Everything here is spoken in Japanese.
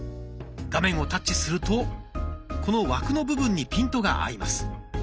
画面をタッチするとこの枠の部分にピントが合います。